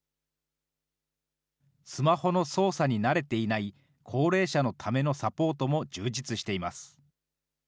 スマホの操作に慣れていない高齢者のためのサポートも充実しています。